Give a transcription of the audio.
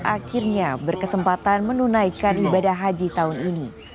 akhirnya berkesempatan menunaikan ibadah haji tahun ini